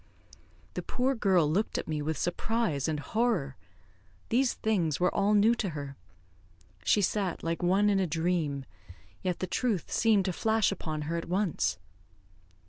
The poor girl looked at me with surprise and horror. These things were all new to her. She sat like one in a dream; yet the truth seemed to flash upon her at once.